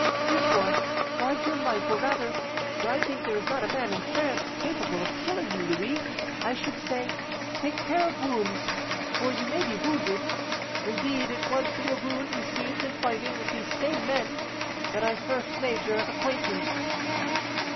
Therefore, guard your life, or rather for I think there is not a man in France capable of killing you, Louis I should say, take care of wounds, for you may be wounded. Indeed, it was through a wound received in fighting with these same men, that I first made your acquaintance."